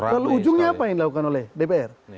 keputusan apa yang dilakukan oleh dpr